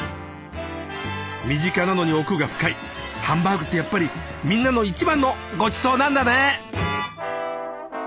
身近なのに奥が深いハンバーグってやっぱりみんなの一番のごちそうなんだね。